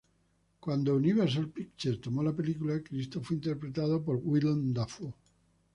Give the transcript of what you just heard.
Cuando Universal Pictures tomó la película, Cristo fue interpretado por Willem Dafoe.